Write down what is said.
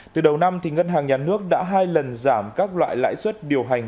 từ đầu năm ngân hàng nhà nước đã hai lần giảm các loại lãi suất điều hành